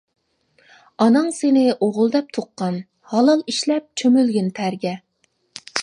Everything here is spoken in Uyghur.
ئاناڭ سېنى ئوغۇل دەپ تۇغقان، ھالال ئىشلەپ چۆمۈلگىن تەرگە.